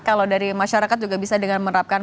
kalau dari masyarakat juga bisa dengan menerapkan